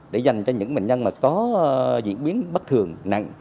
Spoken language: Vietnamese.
để dành cho những bệnh nhân mà có diễn biến bất thường nặng